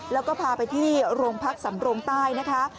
แล้วก็พาไปที่โรงพักสำรงใต้นะคะ